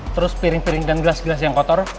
terus piring piring dan gelas gelas yang kotor